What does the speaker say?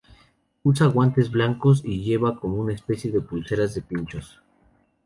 Usa guantes blancos y lleva como una especie de pulseras de pinchos.